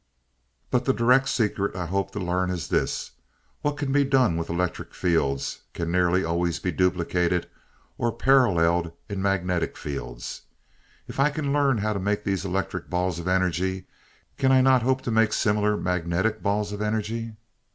But the direct secret I hope to learn is in this: What can be done with electric fields can nearly always be duplicated, or paralleled in magnetic fields. If I can learn how to make these electric balls of energy, can I not hope to make similar magnetic balls of energy?"